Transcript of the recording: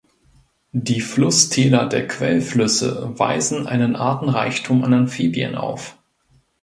Die Flusstäler der Quellflüsse weisen einen Artenreichtum an Amphibien auf.